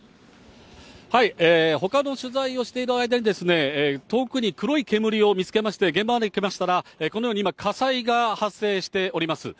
ほかの取材をしている間に、遠くに黒い煙を見つけまして、現場まで来ましたら、このように今、火災が発生しています。